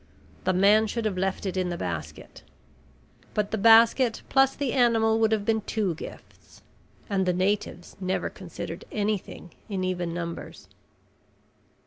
The man should have left it in the basket. But the basket plus the animal would have been two gifts and the natives never considered anything in even numbers.